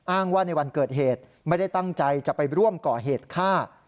อ้างว่าในวันเกิดเหตุไม่ได้ตั้งใจจะไปร่วมก่อเหตุฆ่า